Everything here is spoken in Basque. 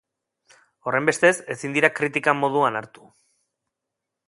Horrenbestez, ezin dira kritika moduan hartu.